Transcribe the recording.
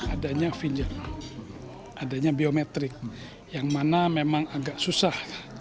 adanya finger adanya biometrik yang mana memang agak susah